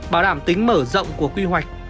bảo đảm tính mở rộng của quy hoạch